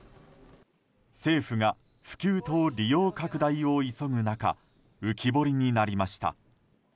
政府が普及と利用拡大を急ぐ中浮き彫りになりました。